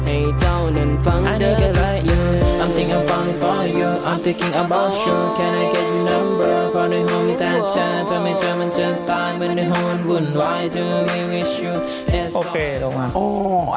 โอเคลงมา